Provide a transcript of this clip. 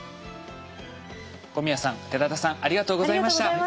小宮さん寺田さんありがとうございました。